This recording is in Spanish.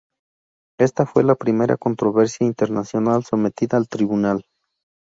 Esta fue la primera controversia internacional sometida al Tribunal.